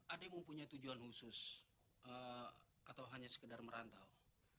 adek mempunyai tujuan khusus atau hanya sekedar merantau